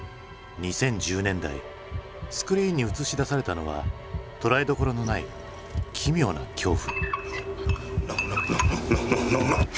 ２０１０年代スクリーンに映し出されたのは捉えどころのない奇妙な恐怖。